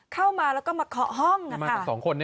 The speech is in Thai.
เข้ามาแล้วก็มาเข้าห้อง